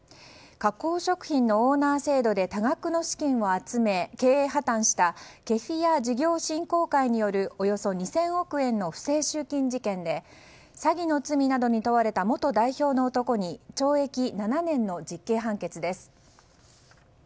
加工食品のオーナー制度で多額の資金を集め経営破綻したケフィア事業振興会によるおよそ２０００億円の不正集金事件で詐欺の罪などに問われた元代表の男に懲役７年の実刑判決です。